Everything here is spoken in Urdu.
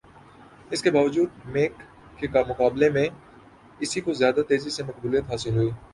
اس کے باوجود میک کے مقابلے میں اسی کو زیادہ تیزی سے مقبولیت حاصل ہوئی